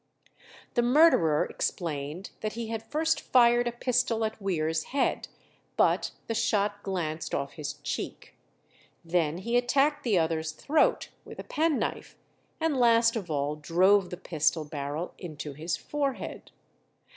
The murderer explained that he had first fired a pistol at Weare's head, but the shot glanced off his cheek. Then he attacked the other's throat with a penknife, and last of all drove the pistol barrel into his forehead.